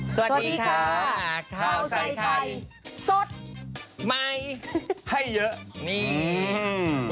สวัสดีค่ะข้าวใส่ไข่สดใหม่ให้เยอะนี่